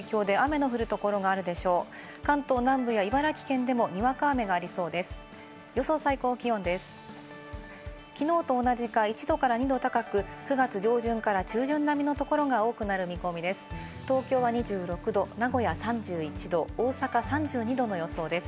きのうと同じか１度から２度高く、９月上旬から中旬並みのところが多くなる見込みです。